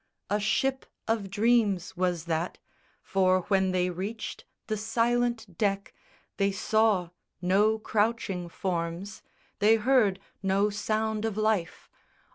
A ship of dreams was that; for when they reached The silent deck, they saw no crouching forms, They heard no sound of life.